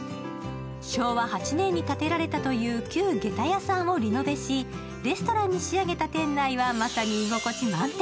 昭和８年に建てられたという旧げた屋さんをリノベし、レストランに仕上げた店内はまさに居心地満点。